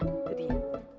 ah itu dia